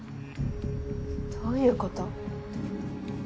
どういうこと？